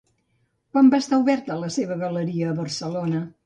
Quan va estar oberta la seva galeria de Barcelona?